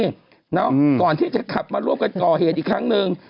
ก่อนที่จะขับมาร่วมกันก่อเหตุอีกครั้งหนึ่ง